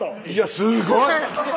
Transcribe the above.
すごい！